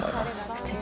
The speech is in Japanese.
すてき！